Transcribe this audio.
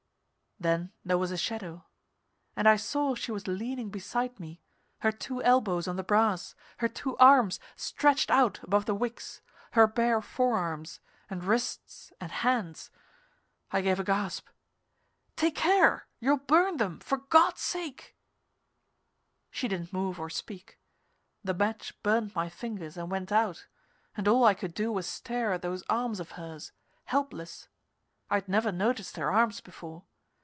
Then there was a shadow, and I saw she was leaning beside me, her two elbows on the brass, her two arms stretched out above the wicks, her bare forearms and wrists and hands. I gave a gasp: "Take care! You'll burn them! For God's sake " She didn't move or speak. The match burned my fingers and went out, and all I could do was stare at those arms of hers, helpless. I'd never noticed her arms before.